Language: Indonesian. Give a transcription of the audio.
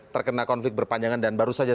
terkena konflik berpanjangan dan baru saja